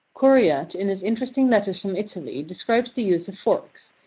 Coryat in his interesting letters from Italy de scribes the use of forks.